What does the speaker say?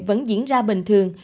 vẫn diễn ra bình thường